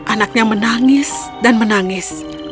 anaknya menangis dan menangis